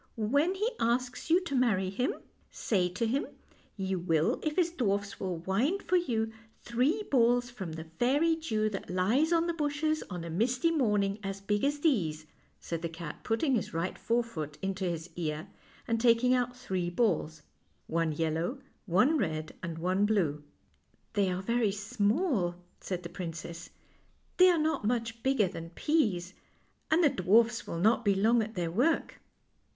" When he asks you to marry him, say to him you will if his dwarfs will wind for you three balls from the fairy dew that lies on the bushes on a misty morning as big as these," said the cat, putting his right forefoot into his ear and taking out three balls one yellow, one red, and one blue. " They are very small," said the prin cess. " They are not much bigger than peas, and the dwarfs will not be long at their work."